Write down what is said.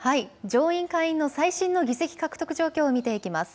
上院、下院の最新の議席獲得状況を見ていきます。